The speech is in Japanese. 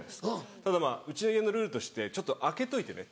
ただうちの家のルールとしてちょっと開けといてね。